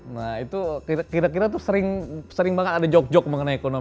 nah itu kira kira tuh sering banget ada joke joke mengenai ekonomi